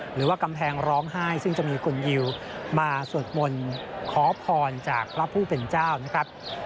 หรือว่ากำแพงร้องไห้ซึ่งจะมีคุณยิวมาสวดมนต์ขอพรจากพระผู้เป็นเจ้านะครับ